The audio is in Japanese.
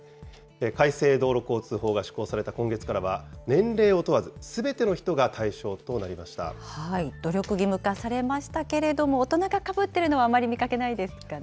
改正道路交通法が施行された今月からは、年齢を問わず、努力義務化されましたけれども、大人がかぶっているのはあまり見かけないですかね。